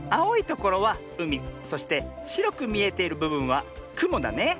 ところはうみそしてしろくみえているぶぶんはくもだね。